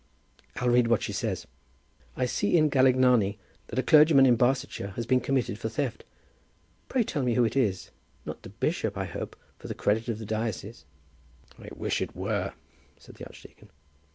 "I'll read what she says. 'I see in Galignani that a clergyman in Barsetshire has been committed for theft. Pray tell me who it is. Not the bishop, I hope, for the credit of the diocese?'" "I wish it were," said the archdeacon.